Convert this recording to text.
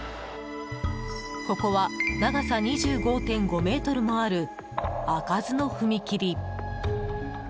ここは、長さ２５．５ｍもある開かずの踏切。